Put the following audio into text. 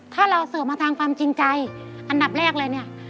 ถ้าเราสืบมาทางความจริงใจอันดับแรกเลยเนี่ย